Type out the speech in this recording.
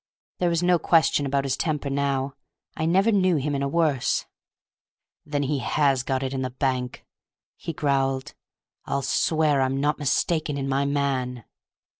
There was no question about his temper now. I never knew him in a worse. "Then he has got it in the bank," he growled. "I'll swear I'm not mistaken in my man!"